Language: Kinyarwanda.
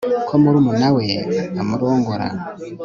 ko murumuna we amurongora